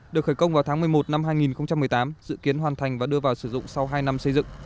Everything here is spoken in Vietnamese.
được khởi công vào tháng một mươi một năm hai nghìn một mươi tám dự kiến hoàn thành và đưa vào sử dụng sau hai năm xây dựng